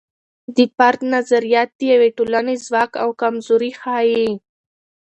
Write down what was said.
د فرد نظریات د یوې ټولنې ځواک او کمزوري ښیي.